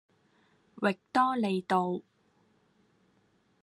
域多利道